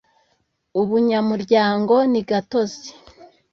Ubunyamuryango ni gatozi